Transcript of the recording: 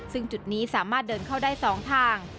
ซึ่งจุดนี้สามารถเดินเข้าได้๒ทาง